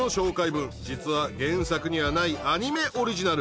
文実は原作にはないアニメオリジナル。